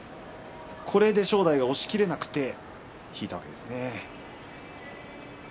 これで正代が押しきれなくて引いたわけですね。